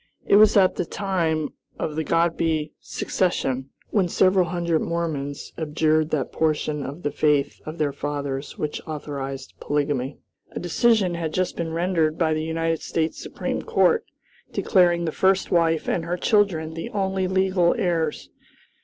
It was at the time of the Godby secession, when several hundred Mormons abjured that portion of the faith of their fathers which authorized polygamy. A decision had just been rendered by the United States Supreme Court declaring the first wife and her children the only legal heirs.